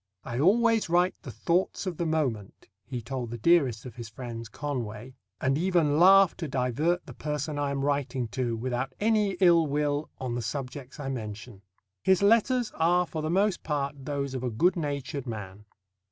"I always write the thoughts of the moment," he told the dearest of his friends, Conway, "and even laugh to divert the person I am writing to, without any ill will on the subjects I mention." His letters are for the most part those of a good natured man.